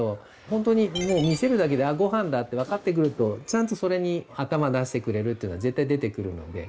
ほんとにもう見せるだけで「あっご飯だ」って分かってくるとちゃんとそれに頭出してくれるっていうのは絶対出てくるので。